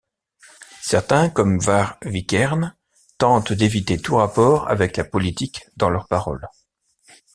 Certains comme Varg Vikernes tentent d'éviter tout rapport avec la politique dans leurs paroles.